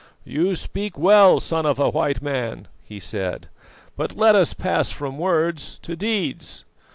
"'You speak well, son of a White Man,' he said, 'but let us pass from words to deeds.